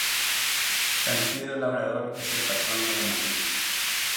San Isidro Labrador es el patrono de Madrid.